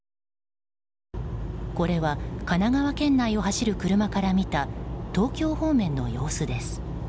これは神奈川県内を走る車から見た東京方面の様子です。